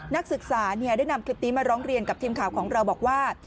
นักศึกษาได้นำคลิปนี้มาร้องเรียนกับทีมข่าวของเราบอกว่า